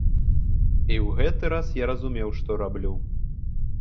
І ў гэты раз я разумеў, што раблю.